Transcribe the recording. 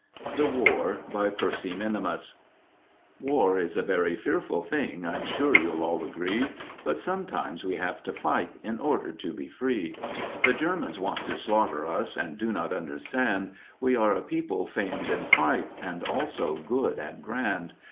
THE WAR BY PERCY MINIMUS War is a very fearful thing, I'm sure you'll all agree, But sometimes we have got to fight in order to be free. The Germans want to slaughter us, and do not understand We are a people famed in fight, and also good and grand.